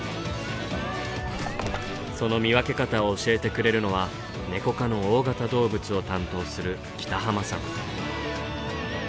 その見分け方を教えてくれるのはネコ科の大型動物を担当する北濱さん。